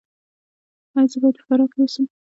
ایا زه باید په فراه کې اوسم؟